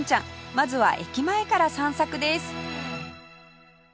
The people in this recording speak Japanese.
まずは駅前から散策です